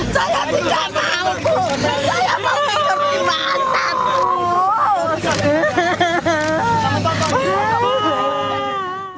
saya tidak mau saya masih berpikir di mana